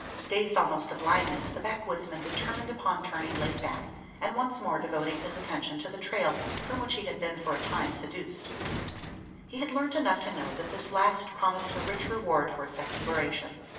Dazed almost to blindness, the backwoodsman determined upon turning late back; and once more devoting his attention to the trail from which he had been for a time seduced. He had learnt enough to know that this last promised a rich reward for its exploration.